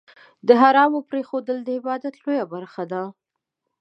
د حرامو پرېښودل، د عبادت لویه برخه ده.